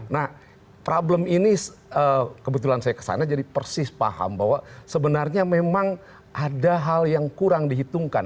nah problem ini kebetulan saya kesana jadi persis paham bahwa sebenarnya memang ada hal yang kurang dihitungkan